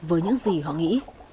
với những gì họ nghĩ